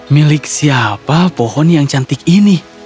milik siapa pohon yang cantik ini